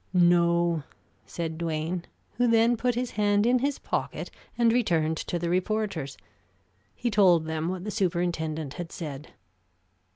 "No," said Duane, who then put his hand in his pocket and returned to the reporters. He told them what the superintendent had said.